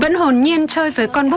vẫn hồn nhiên chơi với con búp bóng